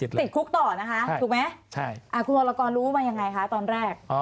ติดคุกต่อนะคะถูกไหมคุณวรกรรู้มายังไงคะตอนแรก